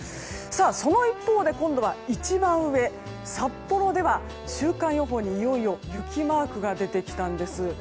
その一方で今度は一番上、札幌では週間予報に、いよいよ雪マークが出てきたんです。